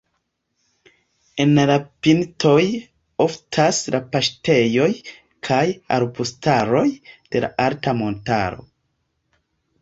En la pintoj oftas la paŝtejoj kaj arbustaroj de alta montaro.